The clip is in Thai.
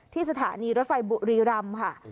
สถานีรถไฟบุรีรำค่ะ